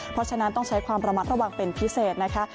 เพราะฉะนั้นต้องใช้ความระมัดระวังเป็นพิเศษนะคะ